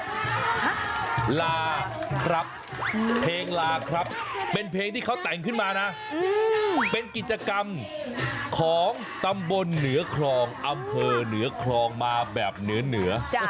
ลาครับเพลงลาครับเป็นเพลงที่เขาแต่งขึ้นมานะเป็นกิจกรรมของตำบลเหนือคลองอำเภอเหนือคลองมาแบบเหนือเหนือ